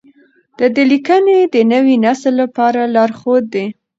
د ده لیکنې د نوي نسل لپاره لارښود دي.